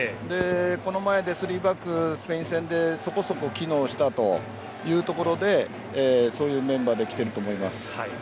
この前、３バックスペイン戦でそこそこ機能したというところでそういうメンバーで来ていると思います。